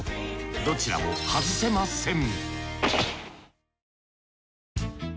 どちらも外せません